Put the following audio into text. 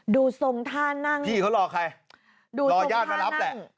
ดูทรงท่านั่งพี่เขารอใครรอย่างมันลับแหละดูทรงท่านั่ง